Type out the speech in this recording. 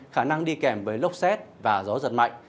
khả năng đi kèm với lốc xét và gió giật mạnh